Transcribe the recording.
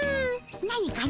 何かの？